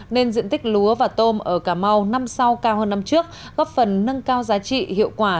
nên diện tích lúa và tôm ở cà mau năm sau cao hơn năm trước góp phần nâng cao giá trị hiệu quả